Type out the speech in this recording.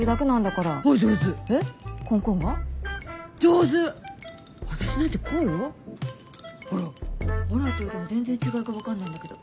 ほらって言われても全然違いが分かんないんだけど。